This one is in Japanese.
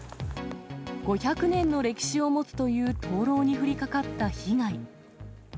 ５００年の歴史を持つという灯籠に降りかかった被害。